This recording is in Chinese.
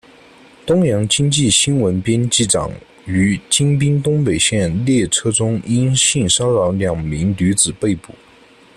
东洋经济新闻编辑长于京滨东北线列车中因性骚扰两名女子被捕。